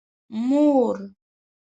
مور